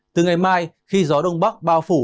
từ ngày mai khi gió đông bắc bao phủ